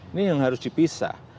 ini yang harus dipisah